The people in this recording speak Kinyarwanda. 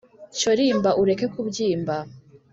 cyo rimba ureke kubyimba